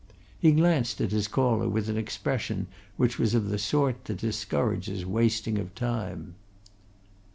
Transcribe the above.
He glanced at his caller with an expression which was of the sort that discourages wasting of time.